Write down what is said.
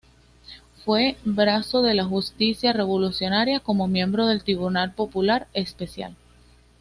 Fue brazo de la justicia revolucionaria, como miembro del Tribunal Popular Especial.